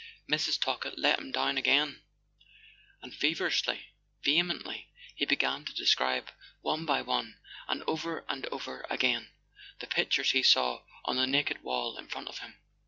.." Mrs. Talkett let him down again, and feverishly, vehemently, he began to describe, one by one, and over and over again, the pictures he saw on the naked wall in front of him.